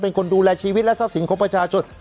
เป็นคนดูแลชีวิตและทรัพย์สินของประชาชน